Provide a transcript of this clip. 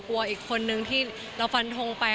อีกคนนึงที่เราฟันทงไป